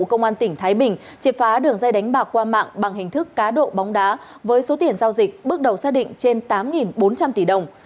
công an tỉnh thái bình triệt phá đường dây đánh bạc qua mạng bằng hình thức cá độ bóng đá với số tiền giao dịch bước đầu xác định trên tám bốn trăm linh tỷ đồng